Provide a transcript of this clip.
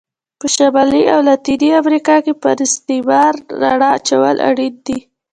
په شمالي او لاتینې امریکا کې پر استعمار رڼا اچول اړین دي.